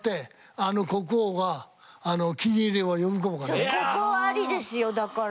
いやそうここありですよだから。